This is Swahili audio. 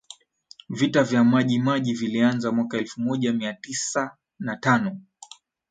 Vita vya Maji Maji vilianza mwaka elfu moja mia tisa na tano